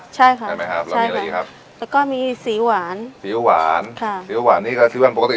ใช่ค่ะใช่ค่ะแล้วมีอะไรอีกครับแล้วก็มีซีอิ๊วหวานซีอิ๊วหวานซีอิ๊วหวานนี่ค่ะซีอิ๊วหวานปกติเลย